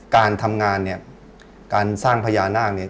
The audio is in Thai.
การทำงานเนี่ยการสร้างพญานาคเนี่ย